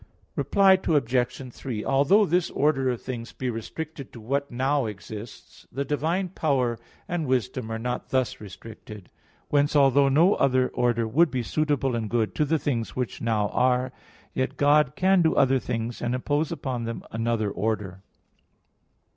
Reply Obj. 3: Although this order of things be restricted to what now exists, the divine power and wisdom are not thus restricted. Whence, although no other order would be suitable and good to the things which now are, yet God can do other things and impose upon them another order.